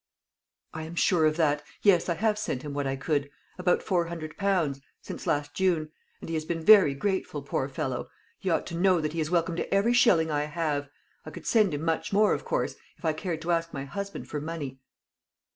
"I am sure of that. Yes; I have sent him what I could about four hundred pounds since last June; and he has been very grateful, poor fellow! He ought to know that he is welcome to every shilling I have. I could send him much more, of course, if I cared to ask my husband for money."